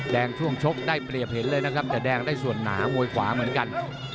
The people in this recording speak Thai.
ช่วงชกได้เปรียบเห็นเลยนะครับแต่แดงได้ส่วนหนามวยขวาเหมือนกัน